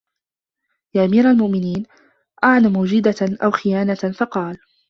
يَا أَمِيرَ الْمُؤْمِنِينَ أَعَنْ مُوجِدَةٍ أَوْ خِيَانَةٍ ؟ فَقَالَ